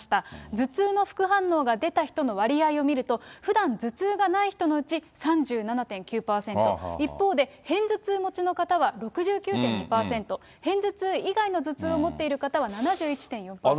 頭痛の副反応が出た人の割合を見ると、ふだん、頭痛がない人のうち３７．９％、一方で、片頭痛持ちの方は６９．２％、片頭痛以外の頭痛を持っている方は７１．４％。